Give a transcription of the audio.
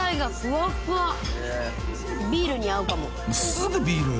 ［すぐビール！］